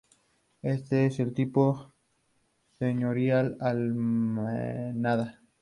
El cuento trata sobre la agónica muerte de un hombre.